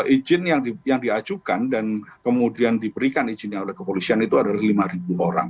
izin yang diajukan dan kemudian diberikan izinnya oleh kepolisian itu adalah lima orang